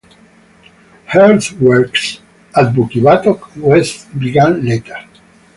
Earthworks at Bukit Batok West began later.